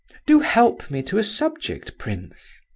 Do help me to a subject, prince."